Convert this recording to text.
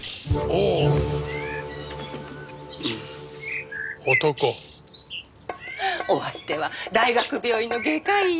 お相手は大学病院の外科医よ。